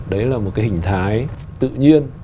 đấy là một cái hình thái tự nhiên